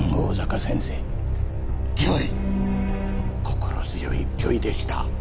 心強い御意でした。